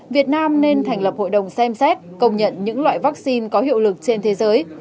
việt nam nên thành lập hội đồng xem xét công nhận những loại vaccine có hiệu lực trên thế giới